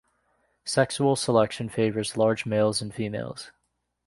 Sexual selection favors large males and females.